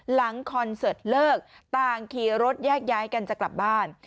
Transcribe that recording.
คอนเสิร์ตเลิกต่างขี่รถแยกย้ายกันจะกลับบ้าน